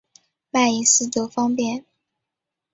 卖隐私得方便